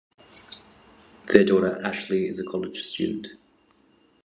Their daughter Ashley is a college student.